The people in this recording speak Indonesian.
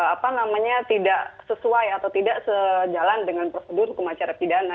apa namanya tidak sesuai atau tidak sejalan dengan prosedur hukum acara pidana